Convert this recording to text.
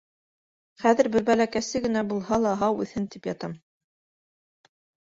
Хәҙер бер бәләкәсе генә булһа ла һау үҫһен тип тик ятам.